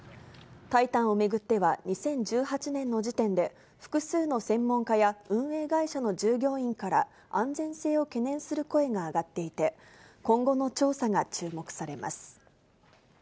タイタンを巡っては、２０１８年の時点で、複数の専門家や運営会社の従業員から安全性を懸念する声が上がっていて、今後の調査が注目されます。